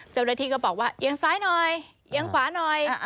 เจ้าหน้าที่ก็บอกว่าเอียงซ้ายหน่อยเอียงขวาหน่อย